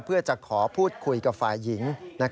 เพื่อจะขอพูดคุยกับฝ่ายหญิง